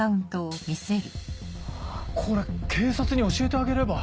これ警察に教えてあげれば。